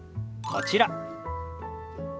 こちら。